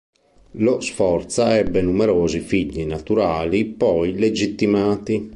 Lo Sforza ebbe numerosi figli naturali, poi legittimati.